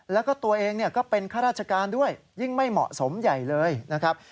แล้วก็ตัวเองก็เป็นข้าราชการด้วยยิ่งไม่เหมาะสมใหญ่เลยนะครับ